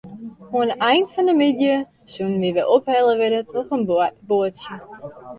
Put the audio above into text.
Oan 'e ein fan 'e middei soene wy wer ophelle wurde troch it boatsje.